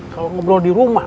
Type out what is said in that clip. kalau ngobrol di rumah